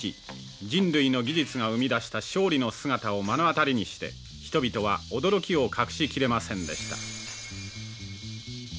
人類の技術が生み出した勝利の姿を目の当たりにして人々は驚きを隠しきれませんでした」。